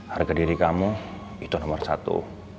harga diri kamu itu nomor satu